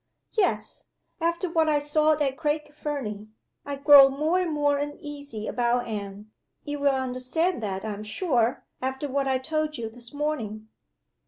"Yes. After what I saw at Craig Fernie, I grow more and more uneasy about Anne. You will understand that, I am sure, after what I told you this morning?"